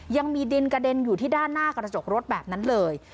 ยังมีดินกระเด็นอยู่ที่ด้านหน้ากระจกรถแบบนั้นเลย